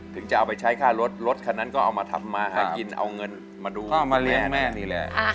ถึงจะเอาไปใช้ค่ารถรถคันนั้นก็เอามาทำมาหากินเอาเงินมาดูแม่